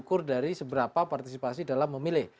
yang diukur dari seberapa partisipasi dalam memilih